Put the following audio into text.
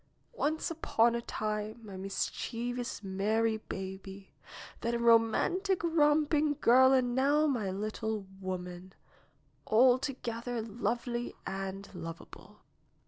'^Once upon a time my mischievous, merry baby, then a romantic, romping girl and now my little woman, alto gether lovely and lovable."